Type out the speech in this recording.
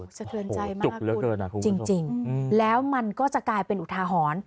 โอ้โฮสะเทือนใจมากคุณจริงแล้วมันก็จะกลายเป็นอุทาหรณ์